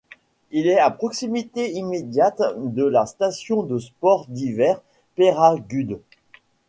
Il est à proximité immédiate de la station de sports d'hiver Peyragudes.